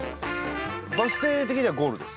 バス停的にはゴールです。